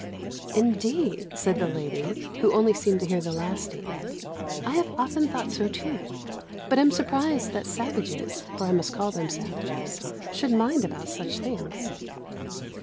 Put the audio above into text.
"Indeed," said the lady, who only seemed to hear the last statement, "I have often thought so too, but I am surprised that savages, for I must call them savages, should mind about such things."